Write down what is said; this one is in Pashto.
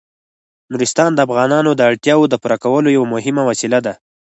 نورستان د افغانانو د اړتیاوو د پوره کولو یوه مهمه وسیله ده.